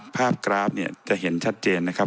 กราฟเนี่ยจะเห็นชัดเจนนะครับ